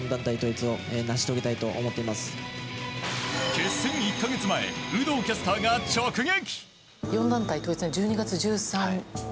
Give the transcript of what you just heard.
決戦１か月前有働キャスターが直撃。